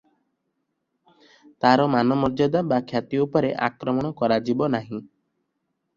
ତାର ମାନ ମର୍ଯ୍ୟାଦା ବା ଖ୍ୟାତି ଉପରେ ଆକ୍ରମଣ କରାଯିବ ନାହିଁ ।